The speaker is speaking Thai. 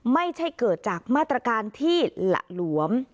ไม่ใช่เกิดจากมาตรการที่หละหลวม